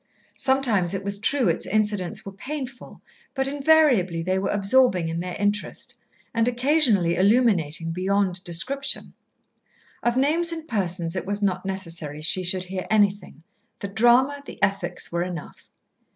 Sometimes, it was true, its incidents were painful; but invariably they were absorbing in their interest, and occasionally illuminating beyond description. Of names and persons it was not necessary she should hear anything the drama, the ethics, were enough.